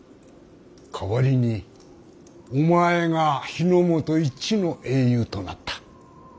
代わりにお前が日本一の英雄となった。